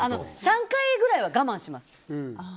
３回ぐらいは我慢します。